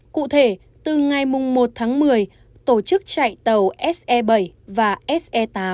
cụ thể từ ngày một tháng một mươi tổ chức chạy tàu se bảy và se tám